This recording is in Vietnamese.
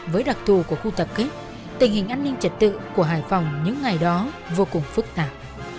với đặc thù của khu tập kết tình hình an ninh trật tự của hải phòng những ngày đó vô cùng phức tạp